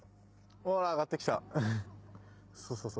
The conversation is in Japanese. ほら上がってきた。